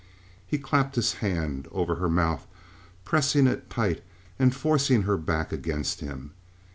He clapped his hand over her mouth, pressing it tight and forcing her back against him.